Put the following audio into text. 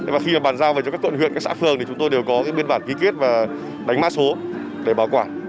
và khi mà bàn giao về cho các quận huyện các xã phường thì chúng tôi đều có biên bản ký kết và đánh mã số để bảo quản